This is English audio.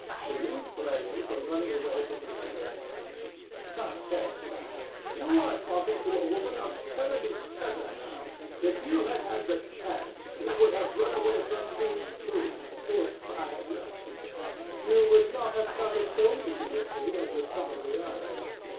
Do you blame me for running away from the others? ANA. Nonsense, man. You are talking to a woman of 77 now. If you had had the chance, you would have run away from me too if I had let you. You would not have found it so easy with me as with some of the others.